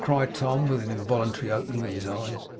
cried Tom, with an involuntary opening of his eyes.